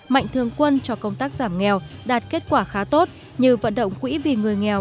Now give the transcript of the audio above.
mạnh thương quân cho công tác giảm nghèo đạt kết quả khá tốt như vận động quỹ vì người nghèo